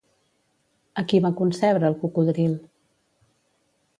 A qui va concebre el cocodril?